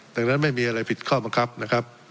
ดังนั้นไม่มีอะไรผิดข้อบังคับนะครับ